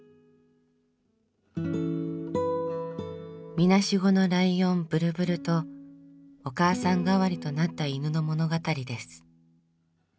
みなしごのライオンブルブルとお母さん代わりとなった犬の物語です。